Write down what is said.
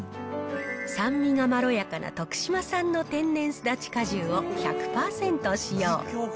酸味がまろやかな徳島産の天然すだち果汁を１００％使用。